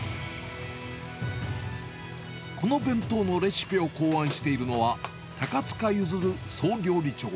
この弁当のレシピを考案しているのは、高塚譲総料理長。